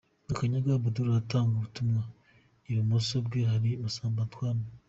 Makanyaga Abdul, aratanga ubutumwa, ibumoso bwe hari Masamba Intore.